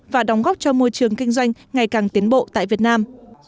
và đóng góp cho môi trường kinh doanh ngày càng tiến bộ tại việt nam